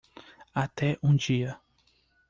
Até um dia